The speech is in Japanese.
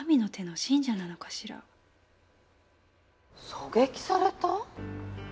狙撃された！？